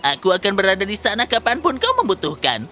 aku akan berada di sana kapanpun kau membutuhkan